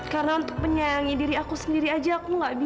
karena untuk menyayangi diri aku sendiri aja aku gak bisa